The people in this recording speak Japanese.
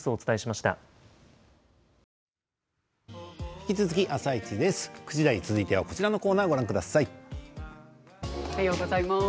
引き続き「あさイチ」です。